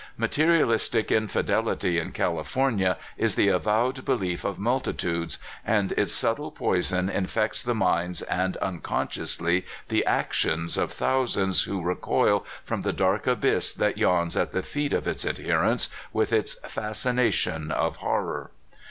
Material istic infidelity in California is the avowed belief of multitudes, and its subtle poison infects the minds and unconsciously the actions of thousands who recoil from the dark abyss that yawns at the feet of its adherents with its fascination of horror.